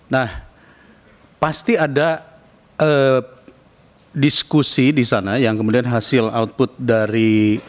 nah pasti ada diskusi di sana yang kemudian hasil output dari